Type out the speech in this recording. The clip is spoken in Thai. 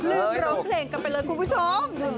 ลืมร้องเพลงกันไปเลยคุณผู้ชม